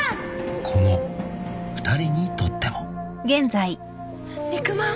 ［この２人にとっても］肉まん！？